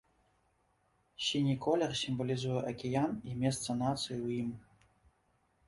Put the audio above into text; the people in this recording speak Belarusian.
Сіні колер сімвалізуе акіян і месца нацыі ў ім.